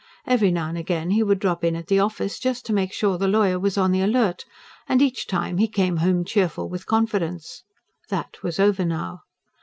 Every now and again he would drop in at the office, just to make sure the lawyer was on the alert; and each time he came home cheerful with confidence. That was over now.